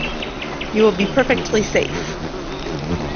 You will be perfectly safe.